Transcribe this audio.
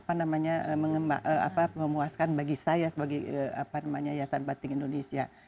perkembangannya sangat memuaskan bagi saya sebagai yayasan batik indonesia